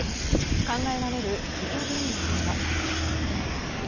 考えられる事故原因とは。